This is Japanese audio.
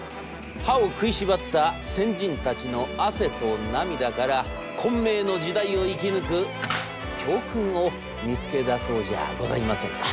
歯を食いしばった先人たちの汗と涙から混迷の時代を生き抜く教訓を見つけ出そうじゃございませんか。